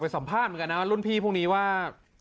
ผิดพาลเหมือนกันว่ารุ่นพี่พวกนี้ว่า